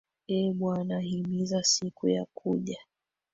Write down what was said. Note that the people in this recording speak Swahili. Ee Bwana himiza siku ya kuja